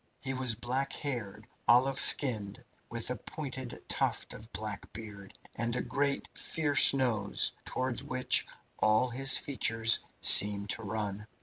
He was black haired, olive skinned, with a pointed tuft of black beard, and a great, fierce nose, towards which all his features seemed to run.